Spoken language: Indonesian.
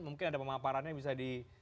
mungkin ada pemaparannya bisa di